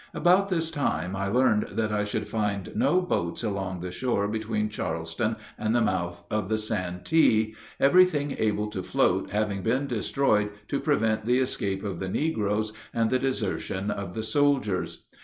About this time I learned that I should find no boats along the shore between Charleston and the mouth of the Santee, everything able to float having been destroyed to prevent the escape of the negroes and the desertion of the soldiers.